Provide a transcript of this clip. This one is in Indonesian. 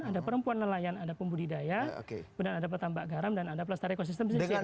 ada perempuan nelayan ada pembudidaya ada petambak garam dan ada pelestari ekosistem pesisir